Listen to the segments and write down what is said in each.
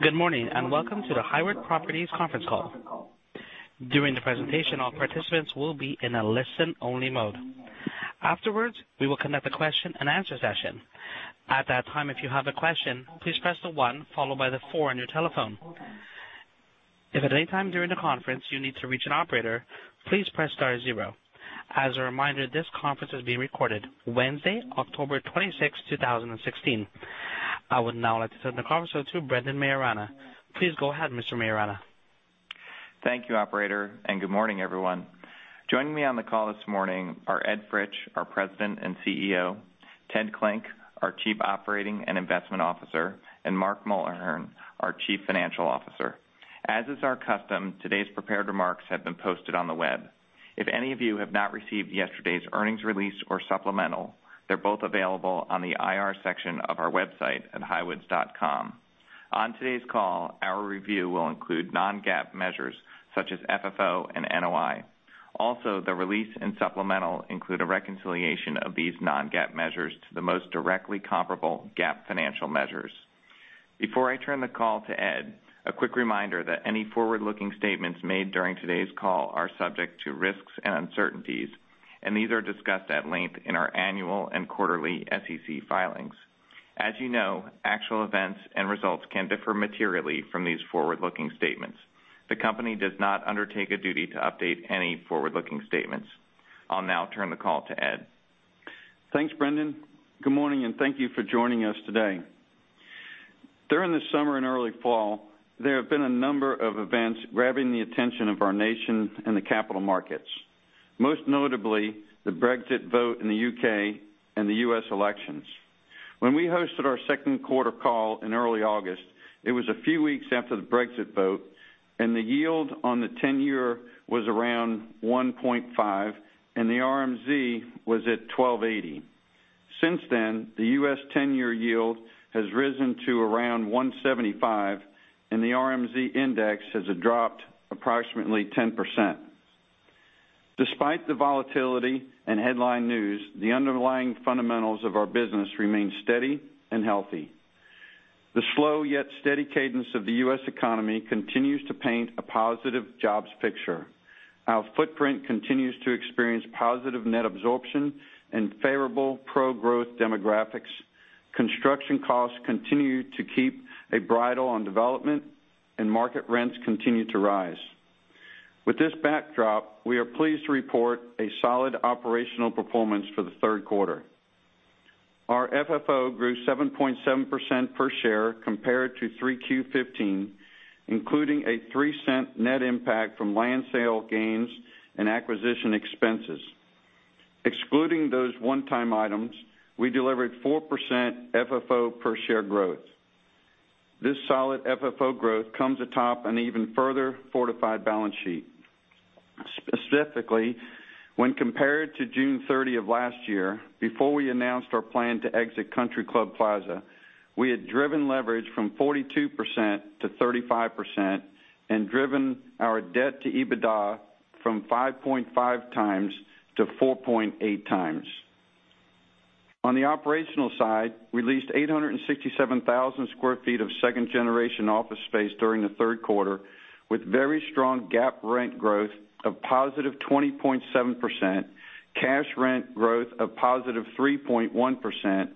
Good morning, and welcome to the Highwoods Properties conference call. During the presentation, all participants will be in a listen-only mode. Afterwards, we will conduct a question-and-answer session. At that time, if you have a question, please press the one followed by the four on your telephone. If at any time during the conference you need to reach an operator, please press star zero. As a reminder, this conference is being recorded Wednesday, October 26, 2016. I would now like to turn the conference over to Brendan Maiorana. Please go ahead, Mr. Maiorana. Thank you, operator. Good morning, everyone. Joining me on the call this morning are Ed Fritsch, our President and CEO, Ted Klinck, our Chief Operating and Investment Officer, and Mark Mulhern, our Chief Financial Officer. As is our custom, today's prepared remarks have been posted on the web. If any of you have not received yesterday's earnings release or supplemental, they are both available on the IR section of our website at highwoods.com. On today's call, our review will include non-GAAP measures such as FFO and NOI. The release and supplemental include a reconciliation of these non-GAAP measures to the most directly comparable GAAP financial measures. Before I turn the call to Ed, a quick reminder that any forward-looking statements made during today's call are subject to risks and uncertainties. These are discussed at length in our annual and quarterly SEC filings. As you know, actual events and results can differ materially from these forward-looking statements. The company does not undertake a duty to update any forward-looking statements. I will now turn the call to Ed. Thanks, Brendan. Good morning. Thank you for joining us today. During the summer and early fall, there have been a number of events grabbing the attention of our nation and the capital markets, most notably the Brexit vote in the U.K. and the U.S. elections. When we hosted our second quarter call in early August, it was a few weeks after the Brexit vote, the yield on the 10-year was around 1.5%, and the RMZ was at 1280. Since then, the U.S. 10-year yield has risen to around 175%, and the RMZ index has dropped approximately 10%. Despite the volatility and headline news, the underlying fundamentals of our business remain steady and healthy. The slow yet steady cadence of the U.S. economy continues to paint a positive jobs picture. Our footprint continues to experience positive net absorption and favorable pro-growth demographics. Construction costs continue to keep a bridle on development, and market rents continue to rise. With this backdrop, we are pleased to report a solid operational performance for the third quarter. Our FFO grew 7.7% per share compared to 3Q15, including a $0.03 net impact from land sale gains and acquisition expenses. Excluding those one-time items, we delivered 4% FFO per share growth. This solid FFO growth comes atop an even further fortified balance sheet. Specifically, when compared to June 30 of last year, before we announced our plan to exit Country Club Plaza, we had driven leverage from 42% to 35% and driven our debt to EBITDA from 5.5 times to 4.8 times. On the operational side, we leased 867,000 sq ft of second-generation office space during the third quarter, with very strong GAAP rent growth of positive 20.7%, cash rent growth of positive 3.1%,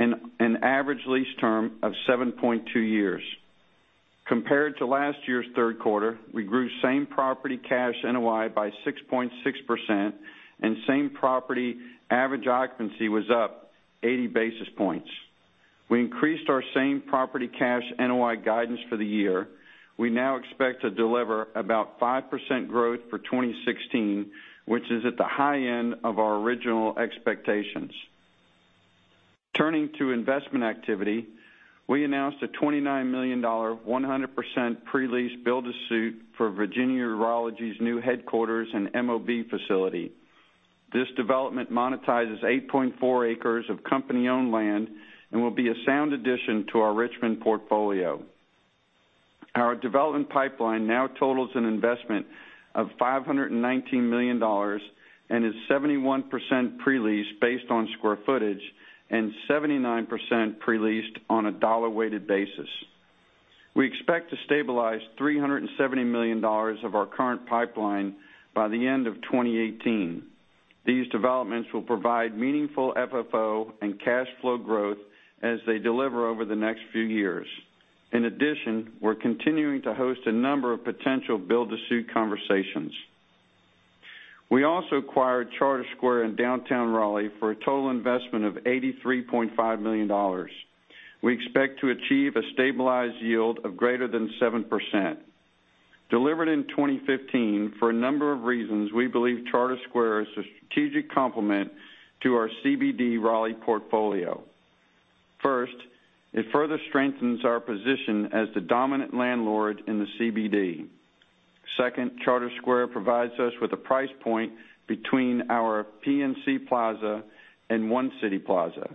and an average lease term of 7.2 years. Compared to last year's third quarter, we grew same-property cash NOI by 6.6%, and same-property average occupancy was up 80 basis points. We increased our same-property cash NOI guidance for the year. We now expect to deliver about 5% growth for 2016, which is at the high end of our original expectations. Turning to investment activity, we announced a $29 million, 100% pre-lease build-to-suit for Virginia Urology's new headquarters and MOB facility. This development monetizes 8.4 acres of company-owned land and will be a sound addition to our Richmond portfolio. Our development pipeline now totals an investment of $519 million and is 71% pre-leased based on square footage and 79% pre-leased on a dollar-weighted basis. We expect to stabilize $370 million of our current pipeline by the end of 2018. These developments will provide meaningful FFO and cash flow growth as they deliver over the next few years. In addition, we're continuing to host a number of potential build-to-suit conversations. We also acquired Charter Square in downtown Raleigh for a total investment of $83.5 million. We expect to achieve a stabilized yield of greater than 7%. Delivered in 2015, for a number of reasons, we believe Charter Square is a strategic complement to our CBD Raleigh portfolio. First, it further strengthens our position as the dominant landlord in the CBD. Second, Charter Square provides us with a price point between our PNC Plaza and One City Plaza.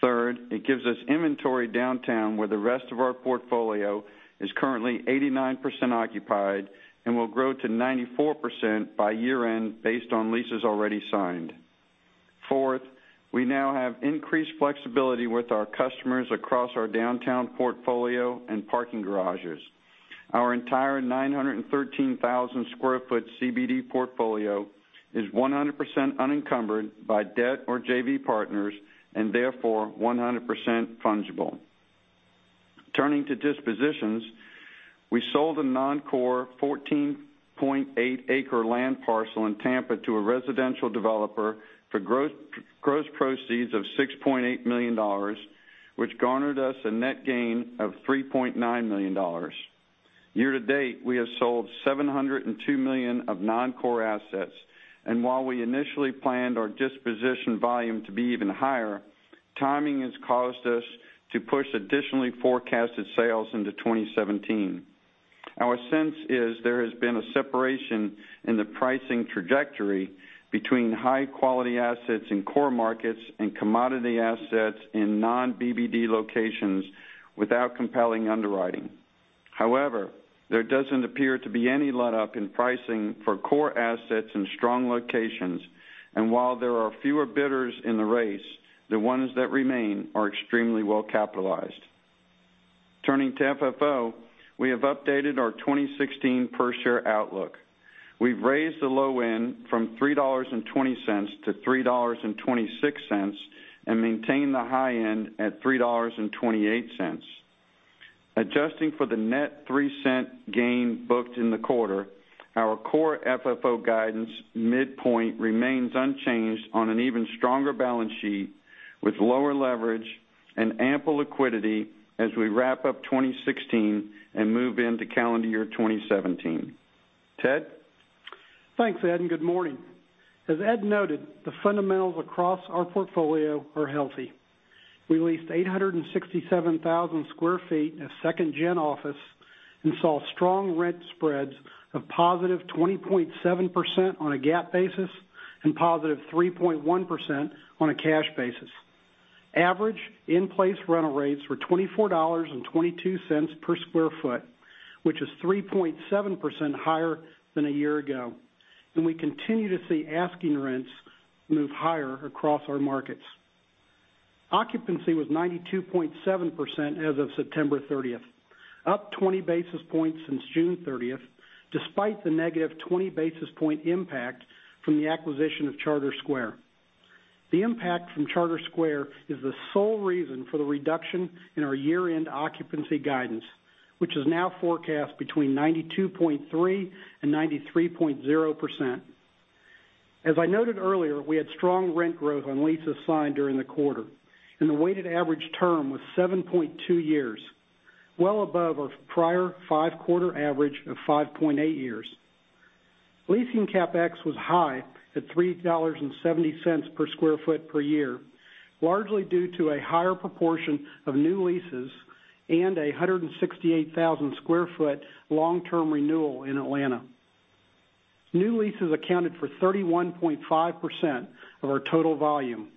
Third, it gives us inventory downtown where the rest of our portfolio is currently 89% occupied and will grow to 94% by year-end based on leases already signed. Fourth, we now have increased flexibility with our customers across our downtown portfolio and parking garages. Our entire 913,000 sq ft CBD portfolio is 100% unencumbered by debt or JV partners, and therefore 100% fungible. Turning to dispositions, we sold a non-core 14.8-acre land parcel in Tampa to a residential developer for gross proceeds of $6.8 million, which garnered us a net gain of $3.9 million. Year-to-date, we have sold $702 million of non-core assets, and while we initially planned our disposition volume to be even higher, timing has caused us to push additionally forecasted sales into 2017. Our sense is there has been a separation in the pricing trajectory between high-quality assets in core markets and commodity assets in non-BBD locations without compelling underwriting. There doesn't appear to be any letup in pricing for core assets in strong locations, while there are fewer bidders in the race, the ones that remain are extremely well-capitalized. Turning to FFO, we have updated our 2016 per-share outlook. We've raised the low end from $3.20 to $3.26 and maintained the high end at $3.28. Adjusting for the net $0.03 gain booked in the quarter, our core FFO guidance midpoint remains unchanged on an even stronger balance sheet with lower leverage and ample liquidity as we wrap up 2016 and move into calendar year 2017. Ted? Thanks, Ed, good morning. As Ed noted, the fundamentals across our portfolio are healthy. We leased 867,000 square feet in a second gen office and saw strong rent spreads of positive 20.7% on a GAAP basis and positive 3.1% on a cash basis. Average in-place rental rates were $24.22 per square foot, which is 3.7% higher than a year ago. We continue to see asking rents move higher across our markets. Occupancy was 92.7% as of September 30th, up 20 basis points since June 30th, despite the negative 20 basis point impact from the acquisition of Charter Square. The impact from Charter Square is the sole reason for the reduction in our year-end occupancy guidance, which is now forecast between 92.3% and 93.0%. As I noted earlier, we had strong rent growth on leases signed during the quarter, the weighted average term was 7.2 years, well above our prior five-quarter average of 5.8 years. Leasing CapEx was high at $3.70 per square foot per year, largely due to a higher proportion of new leases and 168,000 square foot long-term renewal in Atlanta. New leases accounted for 31.5% of our total volume,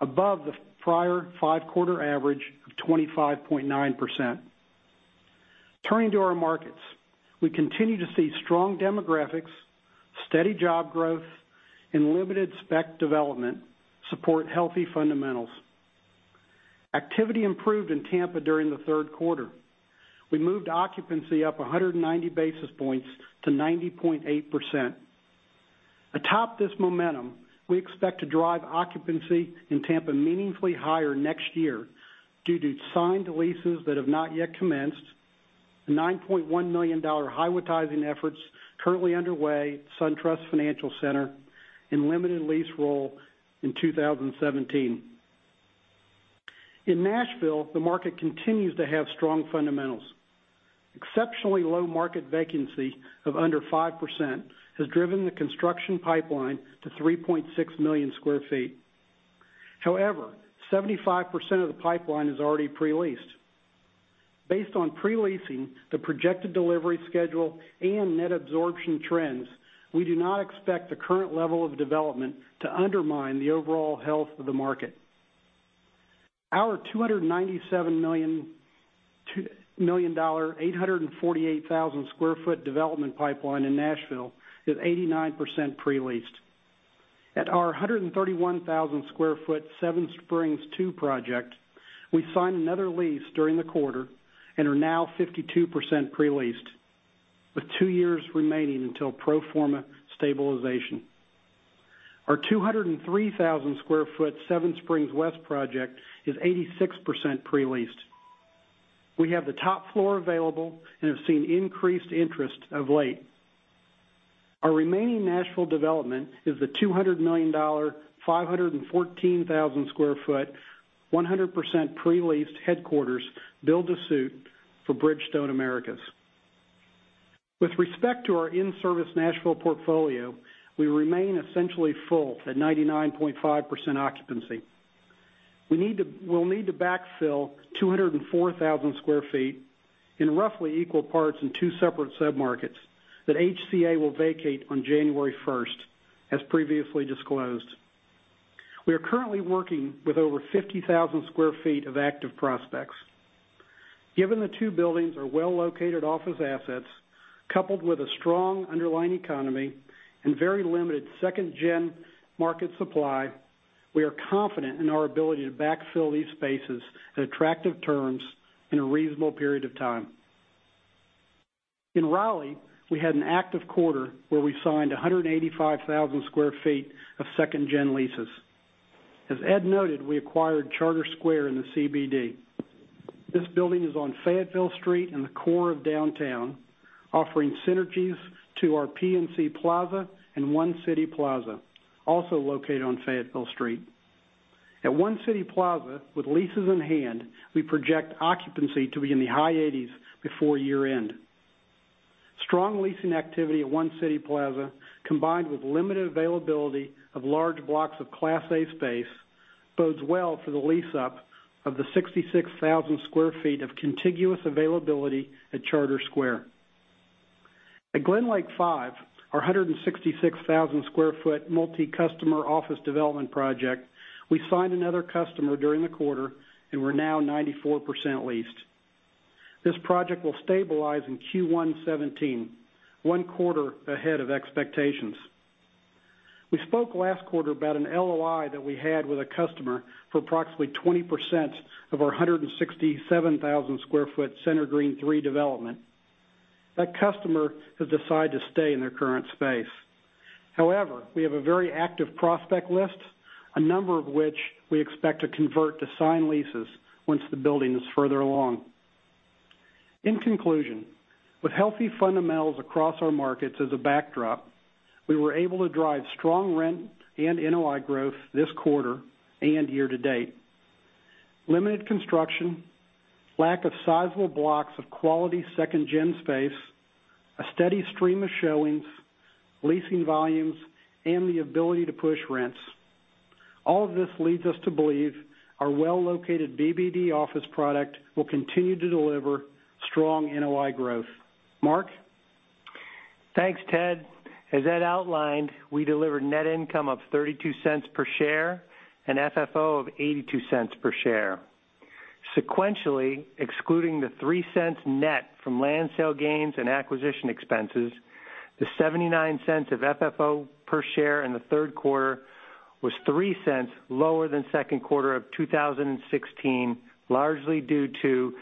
above the prior five-quarter average of 25.9%. Turning to our markets, we continue to see strong demographics, steady job growth, limited spec development support healthy fundamentals. Activity improved in Tampa during the third quarter. We moved occupancy up 190 basis points to 90.8%. Atop this momentum, we expect to drive occupancy in Tampa meaningfully higher next year due to signed leases that have not yet commenced, a $9.1 million rightsizing efforts currently underway, SunTrust Financial Centre, limited lease roll in 2017. In Nashville, the market continues to have strong fundamentals. Exceptionally low market vacancy of under 5% has driven the construction pipeline to 3.6 million square feet. 75% of the pipeline is already pre-leased. Based on pre-leasing, the projected delivery schedule, net absorption trends, we do not expect the current level of development to undermine the overall health of the market. Our $297 million 848,000 square foot development pipeline in Nashville is 89% pre-leased. At our 131,000 square foot Seven Springs II project, we signed another lease during the quarter and are now 52% pre-leased, with two years remaining until pro forma stabilization. Our 203,000 sq ft Seven Springs West project is 86% pre-leased. We have the top floor available and have seen increased interest of late. Our remaining Nashville development is the $200 million 514,000 sq ft 100% pre-leased headquarters build-to-suit for Bridgestone Americas. With respect to our in-service Nashville portfolio, we remain essentially full at 99.5% occupancy. We will need to backfill 204,000 sq ft in roughly equal parts in two separate sub-markets that HCA will vacate on January 1st, as previously disclosed. We are currently working with over 50,000 sq ft of active prospects. Given the two buildings are well-located office assets, coupled with a strong underlying economy and very limited second-gen market supply, we are confident in our ability to backfill these spaces at attractive terms in a reasonable period of time. In Raleigh, we had an active quarter where we signed 185,000 sq ft of second-gen leases. As Ed noted, we acquired Charter Square in the CBD. This building is on Fayetteville Street in the core of downtown, offering synergies to our PNC Plaza and One City Plaza, also located on Fayetteville Street. At One City Plaza, with leases in hand, we project occupancy to be in the high 80s before year-end. Strong leasing activity at One City Plaza, combined with limited availability of large blocks of Class A space, bodes well for the lease-up of the 66,000 sq ft of contiguous availability at Charter Square. At GlenLake V, our 166,000 sq ft multi-customer office development project, we signed another customer during the quarter and we are now 94% leased. This project will stabilize in Q1 2017, one quarter ahead of expectations. We spoke last quarter about an LOI that we had with a customer for approximately 20% of our 167,000 sq ft Center Green 3 development. That customer has decided to stay in their current space. However, we have a very active prospect list, a number of which we expect to convert to signed leases once the building is further along. In conclusion, with healthy fundamentals across our markets as a backdrop, we were able to drive strong rent and NOI growth this quarter and year-to-date. Limited construction, lack of sizable blocks of quality second-gen space, a steady stream of showings, leasing volumes, and the ability to push rents. All of this leads us to believe our well-located BBD office product will continue to deliver strong NOI growth. Mark? Thanks, Ted. As Ed outlined, we delivered net income of $0.32 per share and FFO of $0.82 per share. Sequentially, excluding the $0.03 net from land sale gains and acquisition expenses, the $0.79 of FFO per share in the third quarter was $0.03 lower than second quarter of 2016, largely due to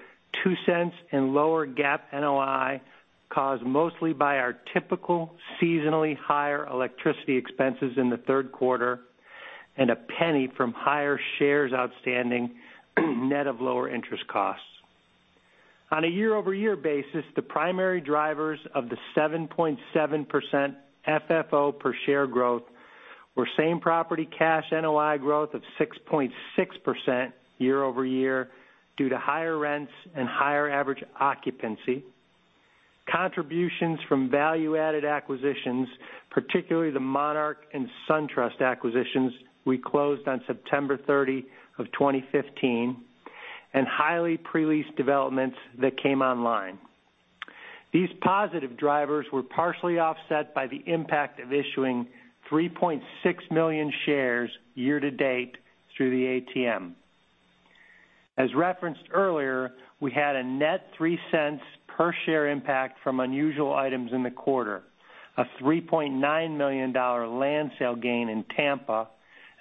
$0.02 in lower GAAP NOI, caused mostly by our typical seasonally higher electricity expenses in the third quarter and a $0.01 from higher shares outstanding net of lower interest costs. On a year-over-year basis, the primary drivers of the 7.7% FFO per share growth were same property cash NOI growth of 6.6% year-over-year due to higher rents and higher average occupancy. Contributions from value-added acquisitions, particularly the Monarch and SunTrust acquisitions we closed on September 30, 2015, and highly pre-leased developments that came online. These positive drivers were partially offset by the impact of issuing 3.6 million shares year-to-date through the ATM. As referenced earlier, we had a net $0.03 per share impact from unusual items in the quarter, a $3.9 million land sale gain in Tampa,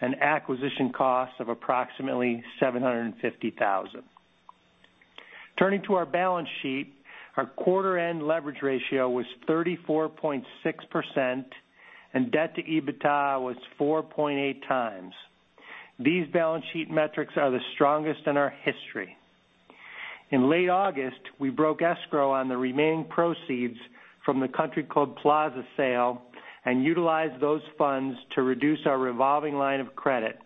and acquisition costs of approximately $750,000. Turning to our balance sheet, our quarter-end leverage ratio was 34.6%, and debt to EBITDA was 4.8 times. These balance sheet metrics are the strongest in our history. In late August, we broke escrow on the remaining proceeds from the Country Club Plaza sale and utilized those funds to reduce our revolving line of credit,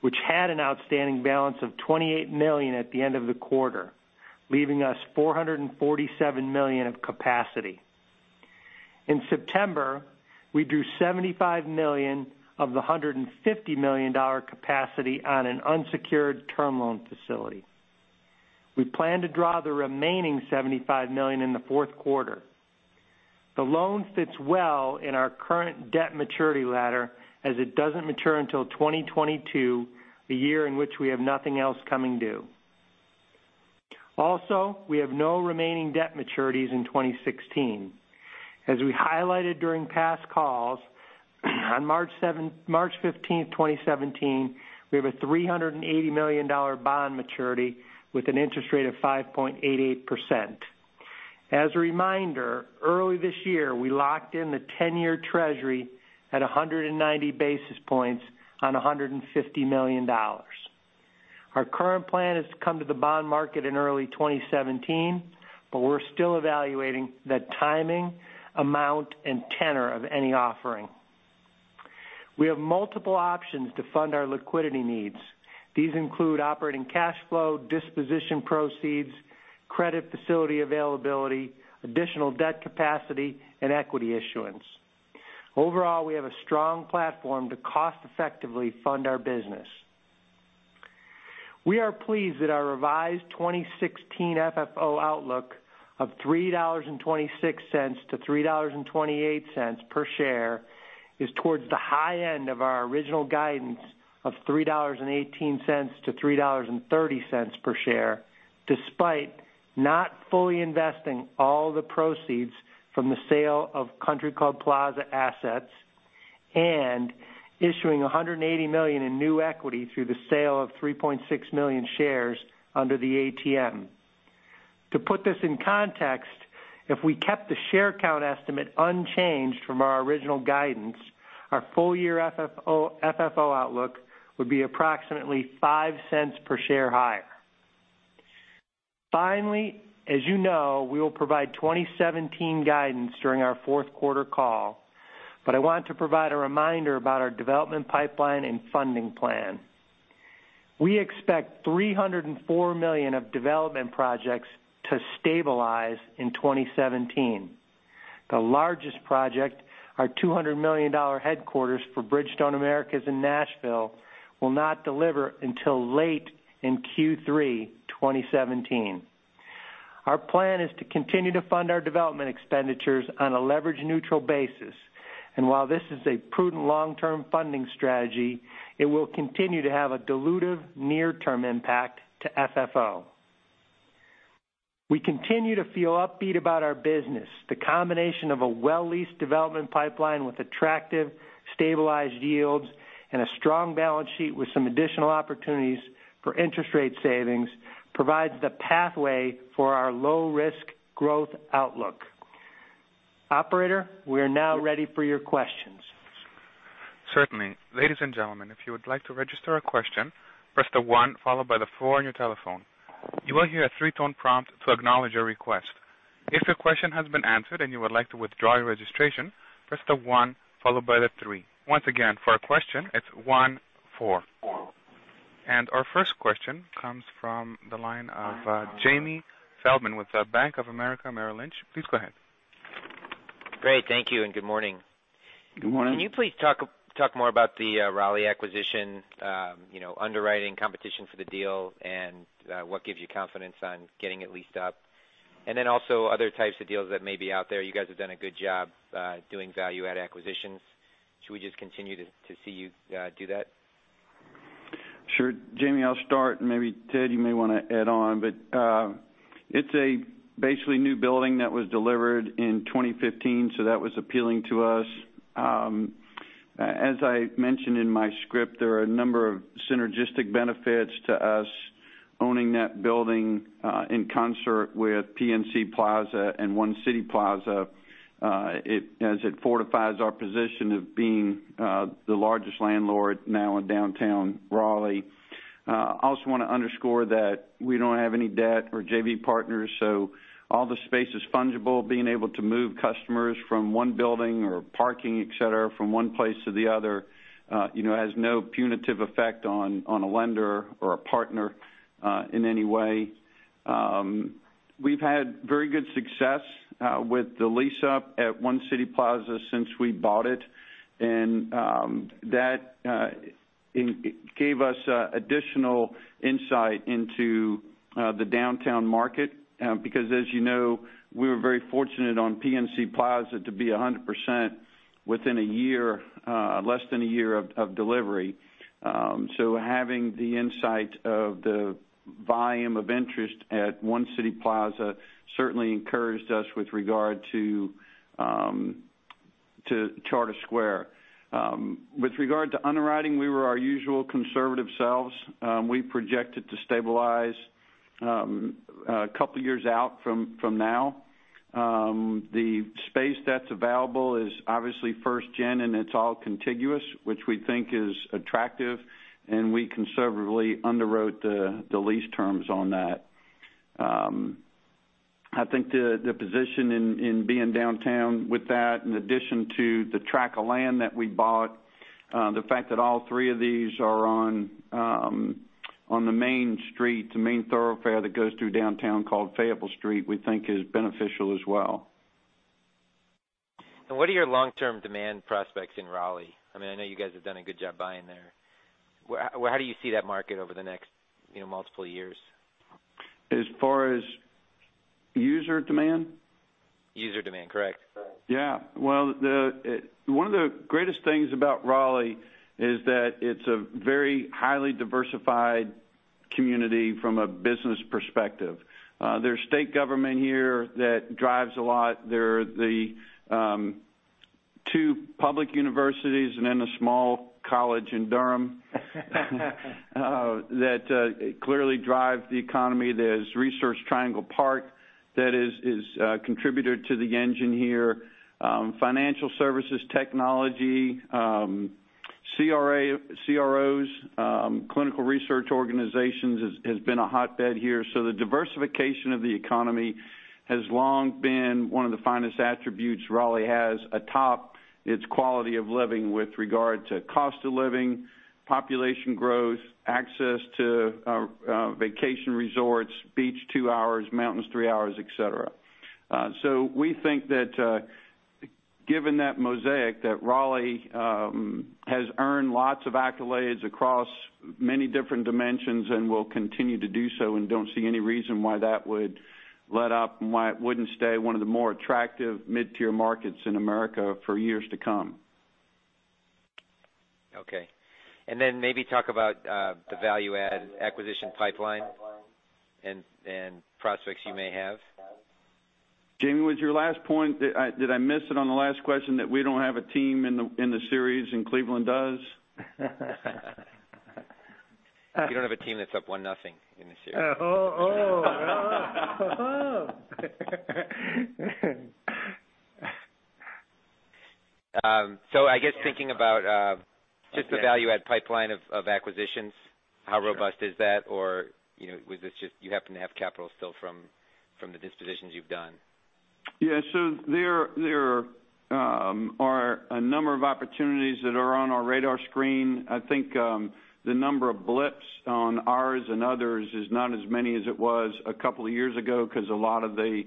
which had an outstanding balance of $28 million at the end of the quarter, leaving us $447 million of capacity. In September, we drew $75 million of the $150 million capacity on an unsecured term loan facility. We plan to draw the remaining $75 million in the fourth quarter. The loan fits well in our current debt maturity ladder, as it doesn't mature until 2022, the year in which we have nothing else coming due. We have no remaining debt maturities in 2016. As we highlighted during past calls, on March 15th, 2017, we have a $380 million bond maturity with an interest rate of 5.88%. As a reminder, early this year, we locked in the 10-year treasury at 190 basis points on $150 million. Our current plan is to come to the bond market in early 2017, we're still evaluating the timing, amount, and tenor of any offering. We have multiple options to fund our liquidity needs. These include operating cash flow, disposition proceeds, credit facility availability, additional debt capacity, and equity issuance. Overall, we have a strong platform to cost-effectively fund our business. We are pleased that our revised 2016 FFO outlook Of $3.26-$3.28 per share is towards the high end of our original guidance of $3.18-$3.30 per share, despite not fully investing all the proceeds from the sale of Country Club Plaza assets and issuing $180 million in new equity through the sale of 3.6 million shares under the ATM. To put this in context, if we kept the share count estimate unchanged from our original guidance, our full-year FFO outlook would be approximately $0.05 per share higher. Finally, as you know, we will provide 2017 guidance during our fourth quarter call, I want to provide a reminder about our development pipeline and funding plan. We expect $304 million of development projects to stabilize in 2017. The largest project, our $200 million headquarters for Bridgestone Americas in Nashville, will not deliver until late in Q3 2017. Our plan is to continue to fund our development expenditures on a leverage-neutral basis. While this is a prudent long-term funding strategy, it will continue to have a dilutive near-term impact to FFO. We continue to feel upbeat about our business. The combination of a well-leased development pipeline with attractive, stabilized yields and a strong balance sheet with some additional opportunities for interest rate savings provides the pathway for our low-risk growth outlook. Operator, we are now ready for your questions. Certainly. Ladies and gentlemen, if you would like to register a question, press the one followed by the four on your telephone. You will hear a three-tone prompt to acknowledge your request. If your question has been answered and you would like to withdraw your registration, press the one followed by the three. Once again, for a question, it's one, four. Our first question comes from the line of Jamie Feldman with Bank of America Merrill Lynch. Please go ahead. Great. Thank you and good morning. Good morning. Can you please talk more about the Raleigh acquisition, underwriting, competition for the deal, and what gives you confidence on getting it leased up? Also other types of deals that may be out there. You guys have done a good job doing value-add acquisitions. Should we just continue to see you do that? Sure. Jamie, I'll start, maybe Ted, you may want to add on, it's a basically new building that was delivered in 2015, that was appealing to us. As I mentioned in my script, there are a number of synergistic benefits to us owning that building in concert with PNC Plaza and One City Plaza as it fortifies our position of being the largest landlord now in downtown Raleigh. I also want to underscore that we don't have any debt or JV partners, all the space is fungible. Being able to move customers from one building or parking, et cetera, from one place to the other has no punitive effect on a lender or a partner in any way. We've had very good success with the lease-up at One City Plaza since we bought it, that gave us additional insight into the downtown market. As you know, we were very fortunate on PNC Plaza to be 100% within less than a year of delivery. Having the insight of the volume of interest at One City Plaza certainly encouraged us with regard to Charter Square. With regard to underwriting, we were our usual conservative selves. We projected to stabilize a couple of years out from now. The space that's available is obviously first-gen, it's all contiguous, which we think is attractive, we conservatively underwrote the lease terms on that. I think the position in being downtown with that, in addition to the track of land that we bought, the fact that all three of these are on the main street, the main thoroughfare that goes through downtown called Fayetteville Street, we think is beneficial as well. What are your long-term demand prospects in Raleigh? I know you guys have done a good job buying there. How do you see that market over the next multiple years? As far as user demand? User demand, correct. Well, one of the greatest things about Raleigh is that it's a very highly diversified community from a business perspective. There's state government here that drives a lot. There are the two public universities and then a small college in Durham that clearly drive the economy. There's Research Triangle Park that is a contributor to the engine here. Financial services, technology, CROs, clinical research organizations, has been a hotbed here. The diversification of the economy has long been one of the finest attributes Raleigh has atop its quality of living with regard to cost of living, population growth, access to vacation resorts, beach two hours, mountains three hours, et cetera. We think that Given that mosaic, that Raleigh has earned lots of accolades across many different dimensions and will continue to do so, don't see any reason why that would let up and why it wouldn't stay one of the more attractive mid-tier markets in America for years to come. Okay. Then maybe talk about the value-add acquisition pipeline and prospects you may have. Jamie, was your last point, did I miss it on the last question that we don't have a team in the series and Cleveland does? You don't have a team that's up one nothing in the series. Oh. I guess thinking about just the value-add pipeline of acquisitions, how robust is that? Was this just you happen to have capital still from the dispositions you've done? Yeah. There are a number of opportunities that are on our radar screen. I think, the number of blips on ours and others is not as many as it was a couple of years ago because a lot of the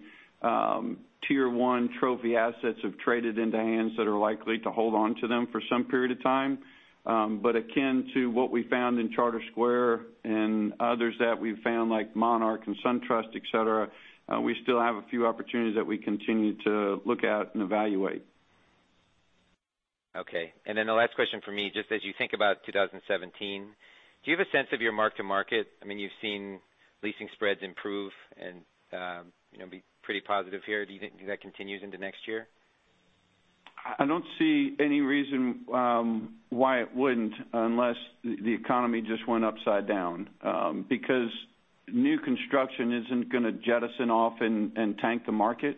tier 1 trophy assets have traded into hands that are likely to hold onto them for some period of time. Akin to what we found in Charter Square and others that we've found, like Monarch and SunTrust, et cetera, we still have a few opportunities that we continue to look at and evaluate. Okay. The last question from me, just as you think about 2017, do you have a sense of your mark to market? You've seen leasing spreads improve and be pretty positive here. Do you think that continues into next year? I don't see any reason why it wouldn't, unless the economy just went upside down. New construction isn't going to jettison off and tank the market.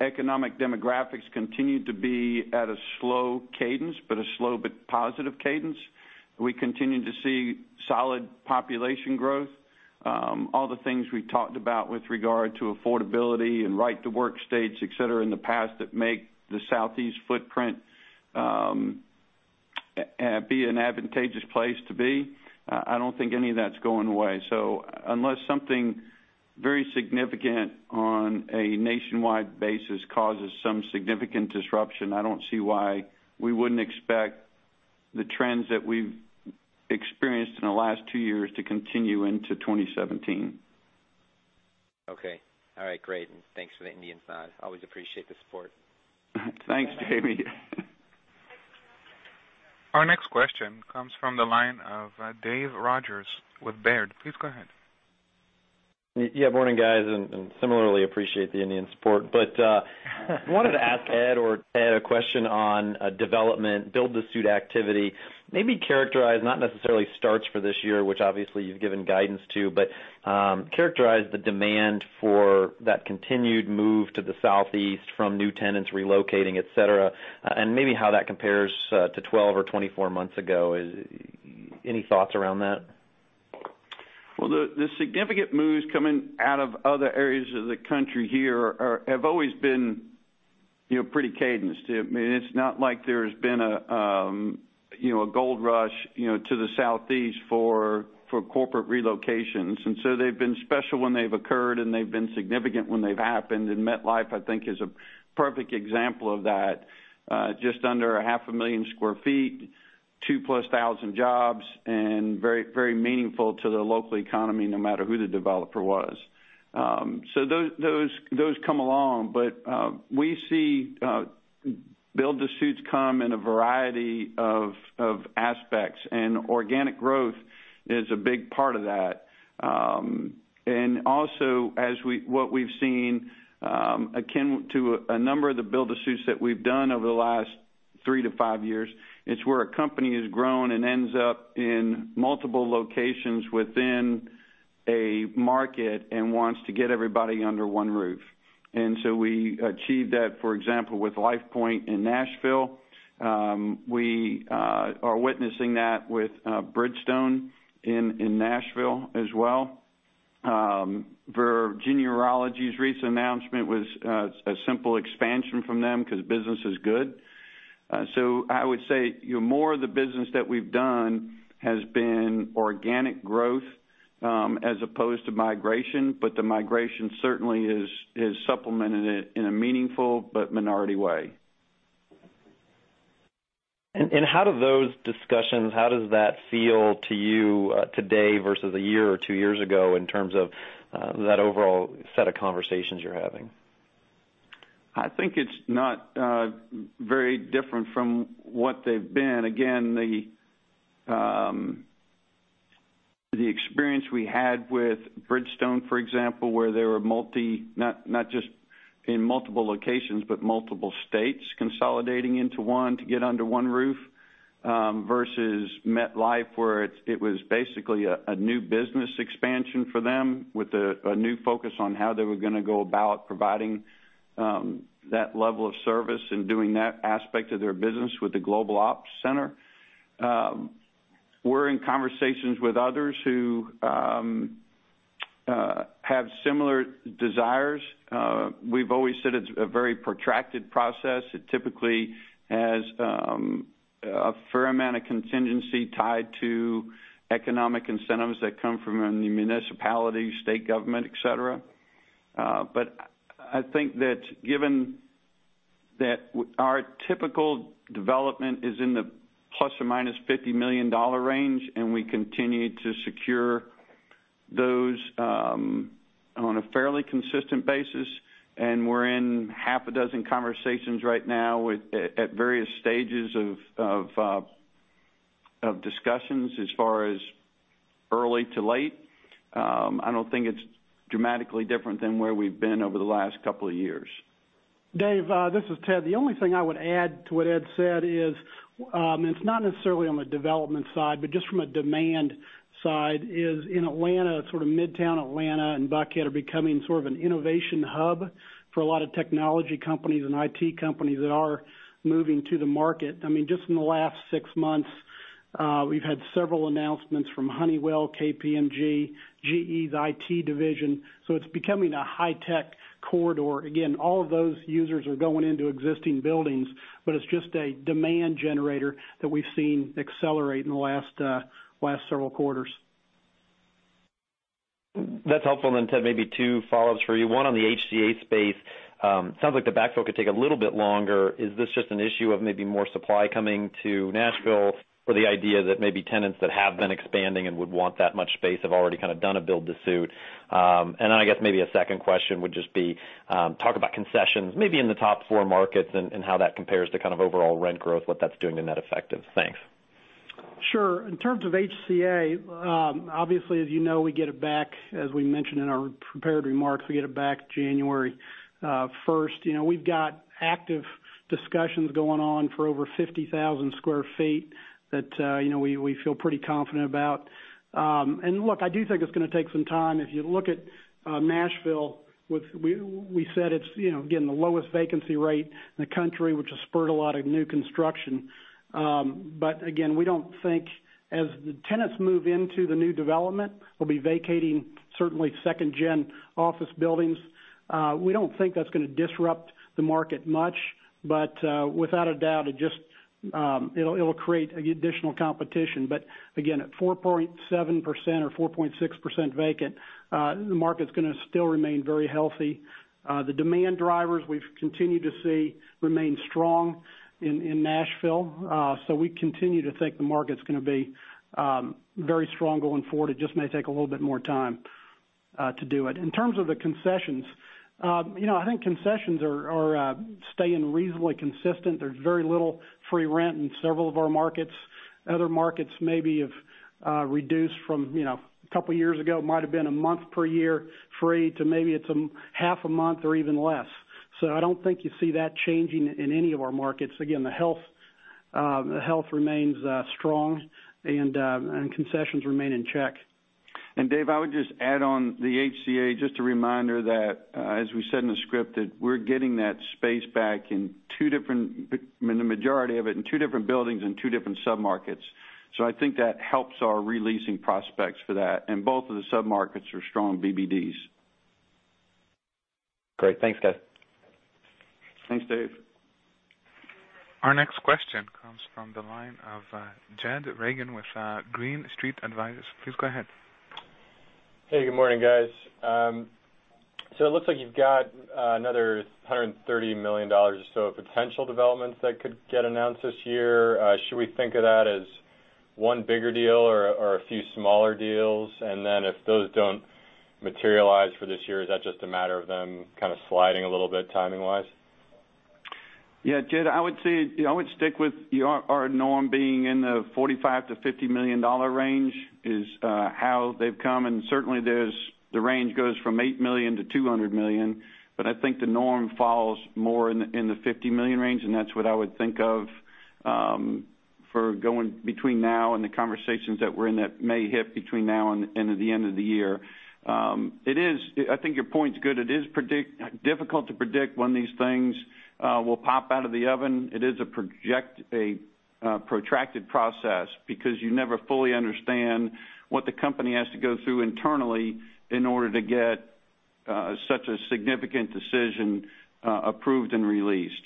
Economic demographics continue to be at a slow cadence, but a slow but positive cadence. We continue to see solid population growth. All the things we've talked about with regard to affordability and right to work states, et cetera, in the past that make the Southeast footprint be an advantageous place to be, I don't think any of that's going away. Unless something very significant on a nationwide basis causes some significant disruption, I don't see why we wouldn't expect the trends that we've experienced in the last two years to continue into 2017. Okay. All right, great. Thanks for the Indian signs. Always appreciate the support. Thanks, Jamie. Our next question comes from the line of Dave Rodgers with Baird. Please go ahead. Yeah, morning, guys, and similarly appreciate the Indian support. Wanted to ask Ed or Ted a question on development, build-to-suit activity. Maybe characterize, not necessarily starts for this year, which obviously you've given guidance to, but characterize the demand for that continued move to the Southeast from new tenants relocating, et cetera, and maybe how that compares to 12 or 24 months ago. Any thoughts around that? Well, the significant moves coming out of other areas of the country here have always been pretty cadenced. It's not like there's been a gold rush to the Southeast for corporate relocations. They've been special when they've occurred, and they've been significant when they've happened. MetLife, I think is a perfect example of that. Just under 500,000 sq ft, 2,000+ jobs and very meaningful to the local economy, no matter who the developer was. Those come along, but we see build-to-suits come in a variety of aspects, and organic growth is a big part of that. Also, what we've seen, akin to a number of the build-to-suits that we've done over the last three to five years, it's where a company has grown and ends up in multiple locations within a market and wants to get everybody under one roof. We achieved that, for example, with LifePoint Health in Nashville. We are witnessing that with Bridgestone in Nashville as well. Virginia Urology's recent announcement was a simple expansion from them because business is good. I would say, more of the business that we've done has been organic growth, as opposed to migration. The migration certainly has supplemented it in a meaningful but minority way. How do those discussions, how does that feel to you today versus a year or two years ago in terms of that overall set of conversations you're having? I think it's not very different from what they've been. Again, the experience we had with Bridgestone, for example, where they were not just in multiple locations, but multiple states consolidating into one to get under one roof, versus MetLife, where it was basically a new business expansion for them with a new focus on how they were going to go about providing that level of service and doing that aspect of their business with the global ops center. We're in conversations with others who have similar desires. We've always said it's a very protracted process. It typically has a fair amount of contingency tied to economic incentives that come from the municipality, state government, et cetera. I think that given that our typical development is in the plus or minus $50 million range, and we continue to secure those on a fairly consistent basis. We're in half a dozen conversations right now at various stages of discussions as far as early to late. I don't think it's dramatically different than where we've been over the last couple of years. Dave, this is Ted. The only thing I would add to what Ed said is, and it's not necessarily on the development side, but just from a demand side, is in Atlanta, sort of Midtown Atlanta and Buckhead are becoming sort of an innovation hub for a lot of technology companies and IT companies that are moving to the market. Just in the last six months, we've had several announcements from Honeywell, KPMG, GE's IT division. It's becoming a high-tech corridor. Again, all of those users are going into existing buildings, but it's just a demand generator that we've seen accelerate in the last several quarters. That's helpful. Ted, maybe two follow-ups for you. One on the HCA space. It sounds like the backfill could take a little bit longer. Is this just an issue of maybe more supply coming to Nashville? Or the idea that maybe tenants that have been expanding and would want that much space have already kind of done a build to suit? I guess maybe a second question would just be, talk about concessions, maybe in the top four markets, and how that compares to kind of overall rent growth, what that's doing in net effective. Thanks. Sure. In terms of HCA, obviously, as you know, we get it back, as we mentioned in our prepared remarks, we get it back January 1st. We've got active discussions going on for over 50,000 square feet that we feel pretty confident about. Look, I do think it's going to take some time. If you look at Nashville, we said it's, again, the lowest vacancy rate in the country, which has spurred a lot of new construction. Again, we don't think as the tenants move into the new development, they'll be vacating, certainly, second-gen office buildings. We don't think that's going to disrupt the market much. Without a doubt, it'll create additional competition. Again, at 4.7% or 4.6% vacant, the market's going to still remain very healthy. The demand drivers we've continued to see remain strong in Nashville. We continue to think the market's going to be very strong going forward. It just may take a little bit more time to do it. In terms of the concessions, I think concessions are staying reasonably consistent. There's very little free rent in several of our markets. Other markets maybe have reduced from a couple of years ago. It might've been a month per year free to maybe it's a half a month or even less. I don't think you see that changing in any of our markets. Again, the health remains strong, and concessions remain in check. Dave, I would just add on the HCA, just a reminder that, as we said in the script, that we're getting that space back, the majority of it, in two different buildings in two different sub-markets. I think that helps our re-leasing prospects for that, and both of the sub-markets are strong BBDs. Great. Thanks, guys. Thanks, Dave. Our next question comes from the line of Jed Reagan with Green Street Advisors. Please go ahead. Good morning, guys. It looks like you've got another $130 million or so of potential developments that could get announced this year. Should we think of that as one bigger deal or a few smaller deals? If those don't materialize for this year, is that just a matter of them kind of sliding a little bit timing-wise? Yeah, Jed, I would stick with our norm being in the $45 million-$50 million range is how they've come. Certainly, the range goes from $8 million to $200 million. I think the norm falls more in the $50 million range, and that's what I would think of for going between now and the conversations that we're in that may hit between now and into the end of the year. I think your point's good. It is difficult to predict when these things will pop out of the oven. It is a protracted process because you never fully understand what the company has to go through internally in order to get such a significant decision approved and released.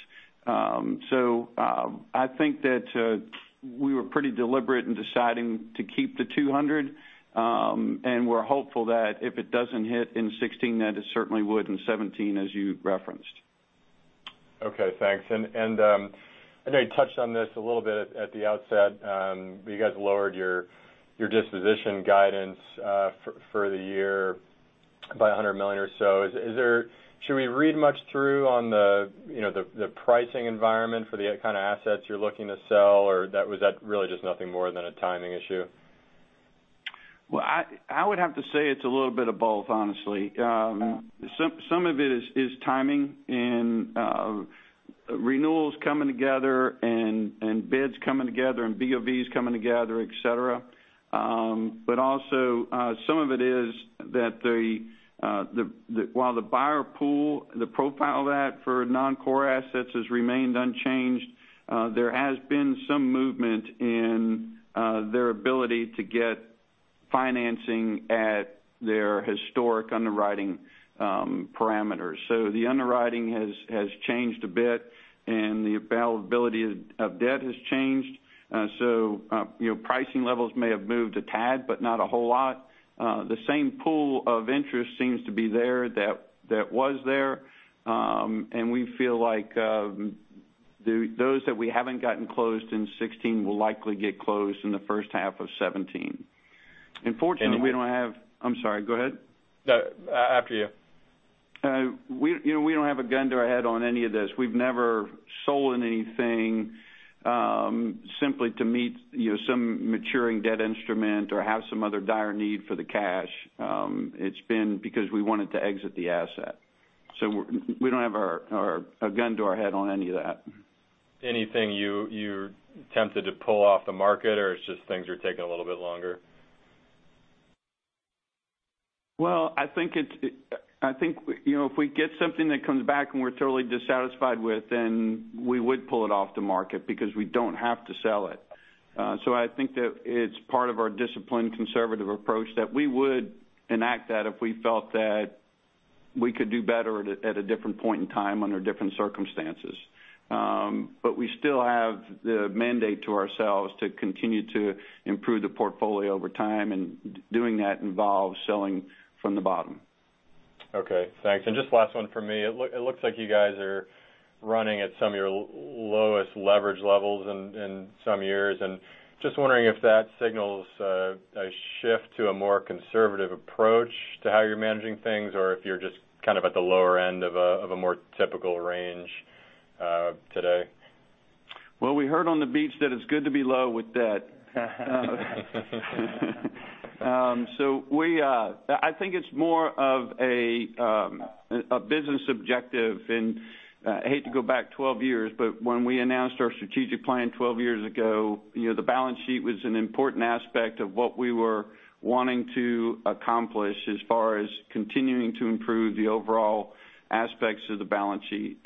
I think that we were pretty deliberate in deciding to keep the $200 million, and we're hopeful that if it doesn't hit in 2016, that it certainly would in 2017, as you referenced. Okay, thanks. I know you touched on this a little bit at the outset. You guys lowered your disposition guidance for the year by $100 million or so. Should we read much through on the pricing environment for the kind of assets you're looking to sell, or was that really just nothing more than a timing issue? Well, I would have to say it's a little bit of both, honestly. Some of it is timing and renewals coming together and bids coming together and BOVs coming together, et cetera. Also, some of it is that while the buyer pool, the profile of that for non-core assets has remained unchanged, there has been some movement in their ability to get financing at their historic underwriting parameters. The underwriting has changed a bit, and the availability of debt has changed. Pricing levels may have moved a tad, but not a whole lot. The same pool of interest seems to be there that was there, and we feel like those that we haven't gotten closed in 2016 will likely get closed in the first half of 2017. Unfortunately, we don't have I'm sorry, go ahead. After you. We don't have a gun to our head on any of this. We've never sold anything simply to meet some maturing debt instrument or have some other dire need for the cash. It's been because we wanted to exit the asset. We don't have a gun to our head on any of that. Anything you're tempted to pull off the market, or it's just things are taking a little bit longer? I think if we get something that comes back and we're totally dissatisfied with, then we would pull it off the market because we don't have to sell it. I think that it's part of our disciplined, conservative approach that we would enact that if we felt that we could do better at a different point in time under different circumstances. We still have the mandate to ourselves to continue to improve the portfolio over time, doing that involves selling from the bottom. Okay, thanks. Just last one from me. It looks like you guys are running at some of your lowest leverage levels in some years, just wondering if that signals a shift to a more conservative approach to how you're managing things, or if you're just kind of at the lower end of a more typical range today. We heard on the beach that it's good to be low with debt. I think it's more of a business objective, I hate to go back 12 years, when we announced our strategic plan 12 years ago, the balance sheet was an important aspect of what we were wanting to accomplish as far as continuing to improve the overall aspects of the balance sheet.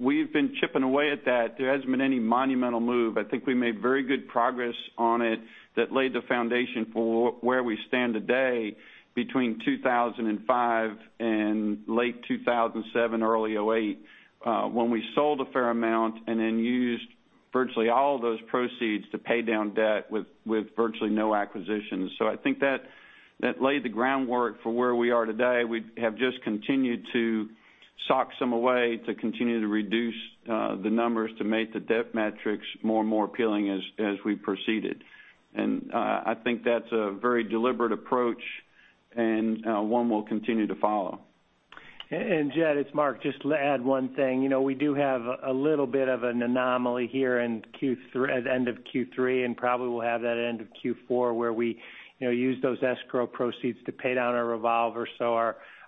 We've been chipping away at that. There hasn't been any monumental move. I think we made very good progress on it that laid the foundation for where we stand today between 2005 and late 2007, early 2008, when we sold a fair amount then used virtually all of those proceeds to pay down debt with virtually no acquisitions. I think that laid the groundwork for where we are today. We have just continued to sock some away to continue to reduce the numbers to make the debt metrics more and more appealing as we proceeded. I think that's a very deliberate approach and one we'll continue to follow. Jed, it's Mark. Just to add one thing. We do have a little bit of an anomaly here at end of Q3, and probably we'll have that end of Q4, where we use those escrow proceeds to pay down our revolver.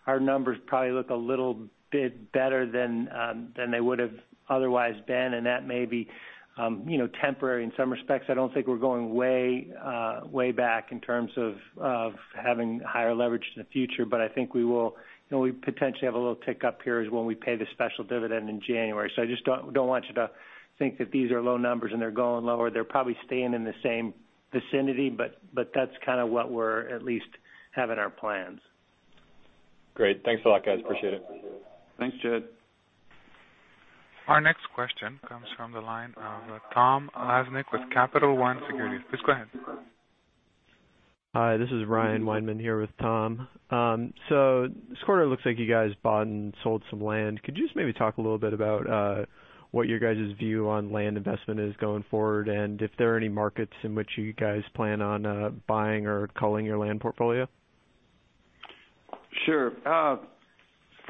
Our numbers probably look a little bit better than they would've otherwise been, and that may be temporary in some respects. I don't think we're going way back in terms of having higher leverage in the future, but I think we potentially have a little tick up here as when we pay the special dividend in January. I just don't want you to think that these are low numbers and they're going lower. They're probably staying in the same vicinity, but that's kind of what we're at least have in our plans. Great. Thanks a lot, guys. Appreciate it. Thanks, Jed. Our next question comes from the line of Tom Lesnick with Capital One Securities. Please go ahead. Hi, this is Ryan Weinman here with Tom. This quarter looks like you guys bought and sold some land. Could you just maybe talk a little bit about what your guys' view on land investment is going forward, and if there are any markets in which you guys plan on buying or culling your land portfolio? Sure.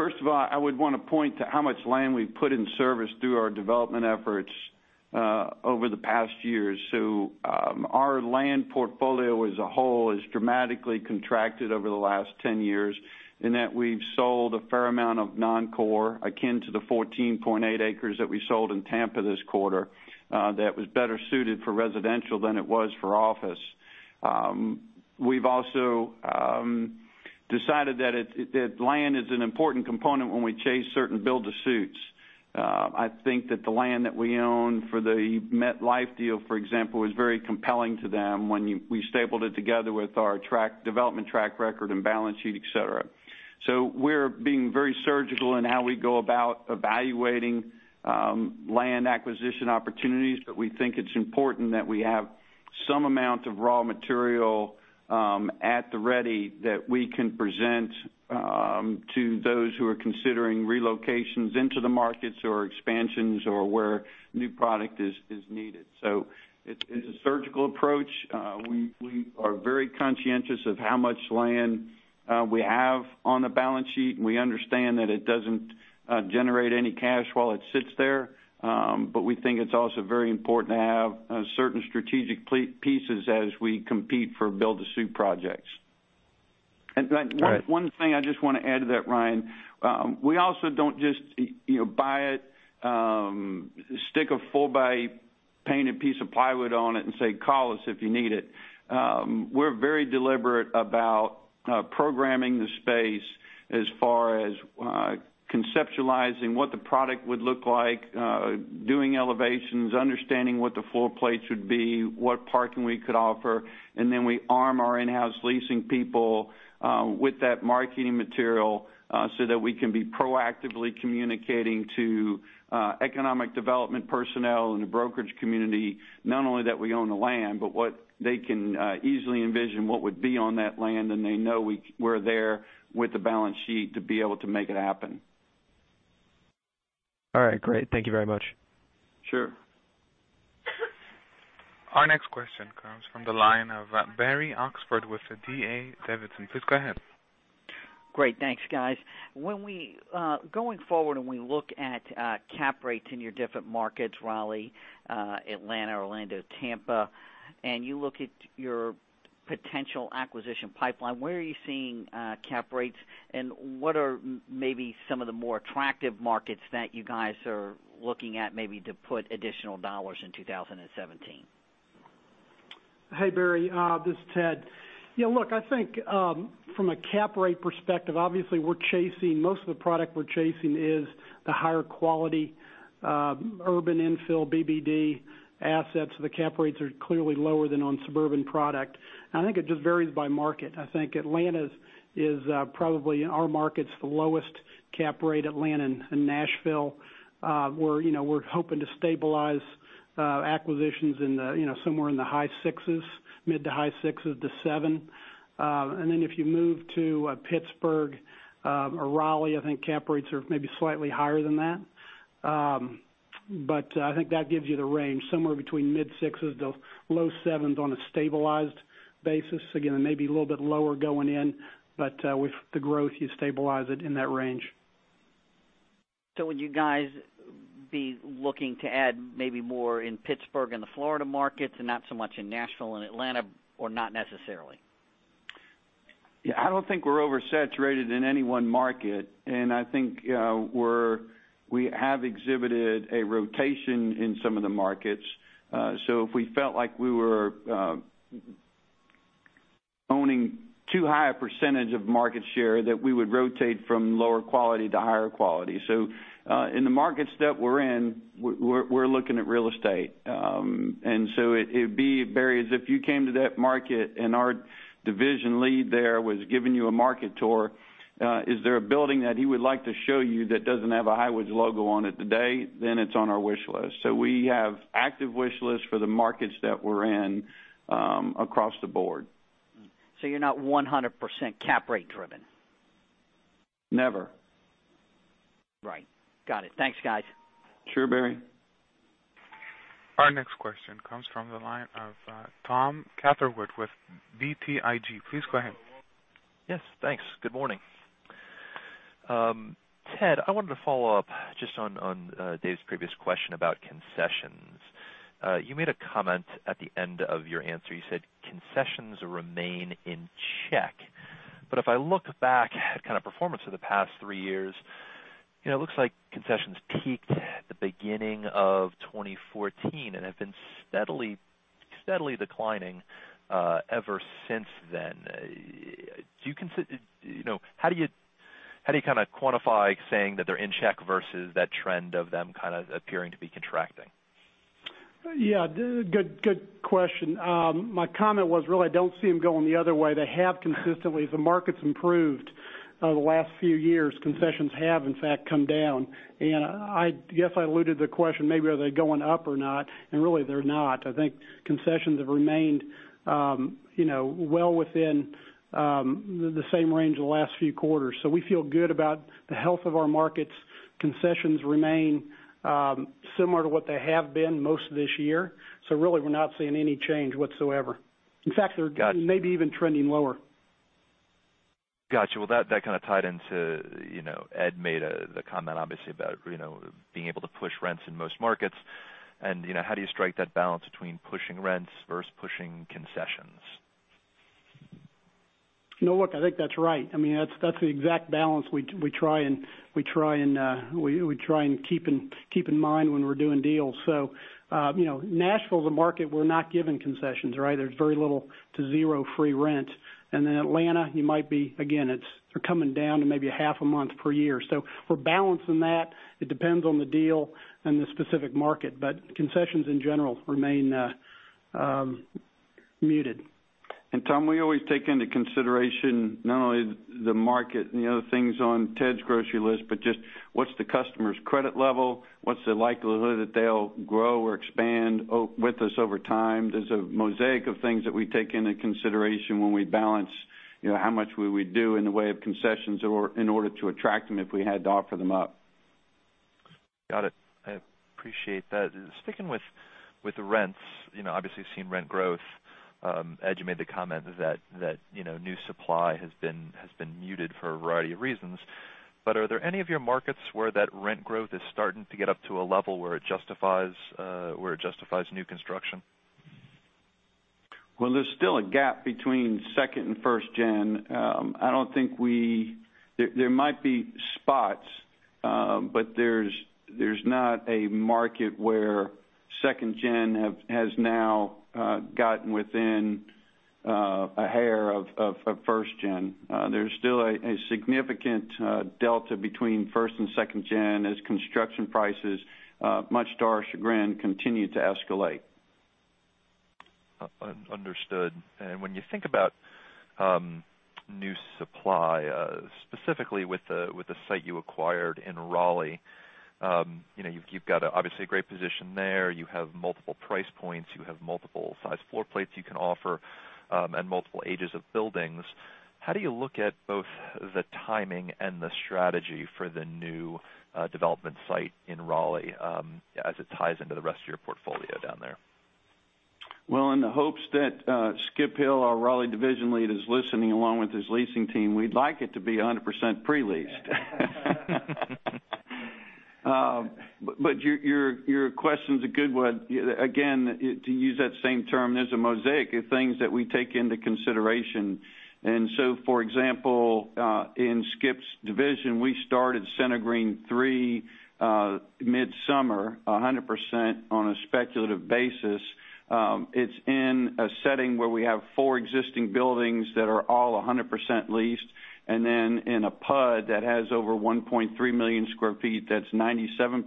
First of all, I would want to point to how much land we've put in service through our development efforts over the past years. Our land portfolio as a whole has dramatically contracted over the last 10 years in that we've sold a fair amount of non-core, akin to the 14.8 acres that we sold in Tampa this quarter, that was better suited for residential than it was for office. We've also decided that land is an important component when we chase certain build to suits. I think that the land that we own for the MetLife deal, for example, was very compelling to them when we stapled it together with our development track record and balance sheet, et cetera. We're being very surgical in how we go about evaluating land acquisition opportunities. We think it's important that we have some amount of raw material at the ready that we can present to those who are considering relocations into the markets or expansions or where new product is needed. It's a surgical approach. We are very conscientious of how much land we have on the balance sheet, and we understand that it doesn't generate any cash while it sits there. We think it's also very important to have certain strategic pieces as we compete for build to suit projects. One thing I just want to add to that, Ryan, we also don't just buy it, stick a four-by painted piece of plywood on it and say, "Call us if you need it." We're very deliberate about programming the space as far as conceptualizing what the product would look like, doing elevations, understanding what the floor plate should be, what parking we could offer, then we arm our in-house leasing people with that marketing material so that we can be proactively communicating to economic development personnel in the brokerage community, not only that we own the land, but what they can easily envision what would be on that land, and they know we're there with the balance sheet to be able to make it happen. All right. Great. Thank you very much. Sure. Our next question comes from the line of Barry Oxford with the D.A. Davidson. Please go ahead. Great. Thanks, guys. Going forward, when we look at cap rates in your different markets, Raleigh, Atlanta, Orlando, Tampa, and you look at your potential acquisition pipeline, where are you seeing cap rates, and what are maybe some of the more attractive markets that you guys are looking at maybe to put additional dollars in 2017? Hey, Barry. This is Ted. Look, I think, from a cap rate perspective, obviously, most of the product we're chasing is the higher-quality, urban infill BBD assets. The cap rates are clearly lower than on suburban product. I think it just varies by market. I think Atlanta is probably in our markets, the lowest cap rate, Atlanta and Nashville. We're hoping to stabilize acquisitions somewhere in the high sixes, mid to high sixes to seven. If you move to Pittsburgh or Raleigh, I think cap rates are maybe slightly higher than that. I think that gives you the range, somewhere between mid sixes, those low sevens on a stabilized basis. Again, it may be a little bit lower going in, but with the growth, you stabilize it in that range. Would you guys be looking to add maybe more in Pittsburgh and the Florida markets, and not so much in Nashville and Atlanta, or not necessarily? I don't think we're oversaturated in any one market, and I think we have exhibited a rotation in some of the markets. If we felt like we were owning too high a percentage of market share, that we would rotate from lower quality to higher quality. In the markets that we're in, we're looking at real estate. It'd be, Barry, as if you came to that market and our division lead there was giving you a market tour, is there a building that he would like to show you that doesn't have a Highwoods logo on it today, then it's on our wish list. We have active wish lists for the markets that we're in across the board. You're not 100% cap rate driven? Never. Right. Got it. Thanks, guys. Sure, Barry. Our next question comes from the line of Tom Catherwood with BTIG. Please go ahead. Yes, thanks. Good morning. Ted, I wanted to follow up just on Dave's previous question about concessions. You made a comment at the end of your answer. You said concessions remain in check. If I look back at kind of performance for the past three years, it looks like concessions peaked at the beginning of 2014 and have been steadily declining ever since then. How do you kind of quantify saying that they're in check versus that trend of them kind of appearing to be contracting? Yeah. Good question. My comment was really, I don't see them going the other way. They have consistently. As the market's improved over the last few years, concessions have, in fact, come down. I guess I alluded the question, maybe are they going up or not? Really, they're not. I think concessions have remained well within the same range the last few quarters. We feel good about the health of our markets. Concessions remain similar to what they have been most of this year. Really, we're not seeing any change whatsoever. In fact, they're maybe even trending lower. Got you. That kind of tied into Ed made a comment, obviously, about being able to push rents in most markets. How do you strike that balance between pushing rents versus pushing concessions? Look, I think that's right. That's the exact balance we try and keep in mind when we're doing deals. Nashville, the market, we're not giving concessions. There's very little to zero free rent. Atlanta, you might be, again, they're coming down to maybe a half a month per year. We're balancing that. It depends on the deal and the specific market, but concessions, in general, remain muted. Tom, we always take into consideration not only the market and the other things on Ted's grocery list, but just what's the customer's credit level, what's the likelihood that they'll grow or expand with us over time? There's a mosaic of things that we take into consideration when we balance how much we would do in the way of concessions in order to attract them if we had to offer them up. Got it. I appreciate that. Sticking with the rents, obviously, we've seen rent growth. Ed, you made the comment that new supply has been muted for a variety of reasons, are there any of your markets where that rent growth is starting to get up to a level where it justifies new construction? Well, there's still a gap between second-gen and first-gen. There might be spots. There's not a market where second-gen has now gotten within a hair of first-gen. There's still a significant delta between first-gen and second-gen as construction prices, much to our chagrin, continue to escalate. Understood. When you think about new supply, specifically with the site you acquired in Raleigh, you've got, obviously, a great position there. You have multiple price points. You have multiple size floor plates you can offer, and multiple ages of buildings. How do you look at both the timing and the strategy for the new development site in Raleigh, as it ties into the rest of your portfolio down there? Well, in the hopes that Skip Hill, our Raleigh division lead, is listening along with his leasing team, we'd like it to be 100% pre-leased. Your question's a good one. Again, to use that same term, there's a mosaic of things that we take into consideration. For example, in Skip's division, we started Center Green 3 midsummer, 100% on a speculative basis. It's in a setting where we have four existing buildings that are all 100% leased. In a PUD that has over 1.3 million sq ft, that's 97%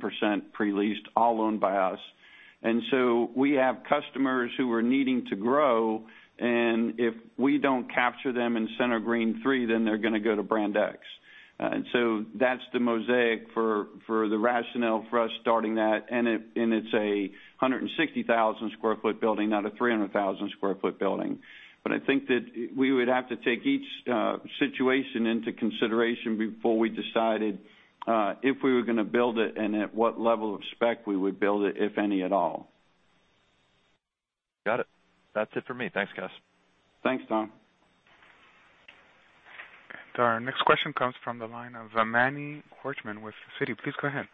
pre-leased, all owned by us. We have customers who are needing to grow, and if we don't capture them in Center Green 3, then they're going to go to brand X. That's the mosaic for the rationale for us starting that, and it's a 160,000 sq ft building, not a 300,000 sq ft building. I think that we would have to take each situation into consideration before we decided if we were going to build it, and at what level of spec we would build it, if any at all. Got it. That's it for me. Thanks, guys. Thanks, Tom. Our next question comes from the line of Manny Korchman with Citi. Please go ahead.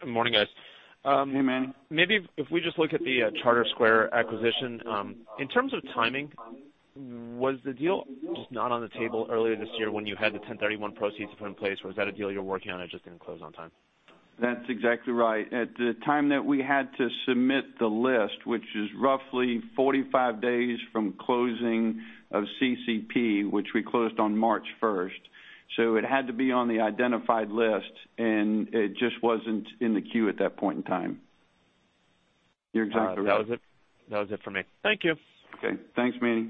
Good morning, guys. Hey, Manny. Maybe if we just look at the Charter Square acquisition. In terms of timing, was the deal just not on the table earlier this year when you had the 1031 proceeds to put in place? Or was that a deal you were working on that just didn't close on time? That's exactly right. At the time that we had to submit the list, which is roughly 45 days from closing of CCP, which we closed on March 1st. It had to be on the identified list, and it just wasn't in the queue at that point in time. You're exactly right. That was it for me. Thank you. Okay. Thanks, Manny.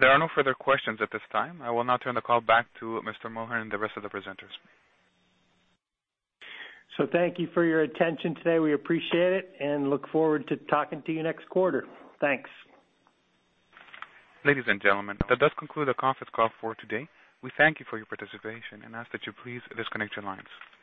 There are no further questions at this time. I will now turn the call back to Mr. Mulhern and the rest of the presenters. Thank you for your attention today. We appreciate it, and look forward to talking to you next quarter. Thanks. Ladies and gentlemen, that does conclude the conference call for today. We thank you for your participation and ask that you please disconnect your lines.